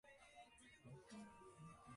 Its precise incidence is unknown.